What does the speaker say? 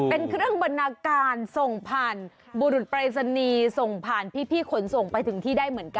เป็นเครื่องบรรณาการส่งผ่านบุรุษปรายศนีย์ส่งผ่านพี่ขนส่งไปถึงที่ได้เหมือนกัน